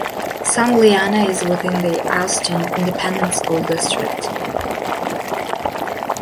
San Leanna is within the Austin Independent School District.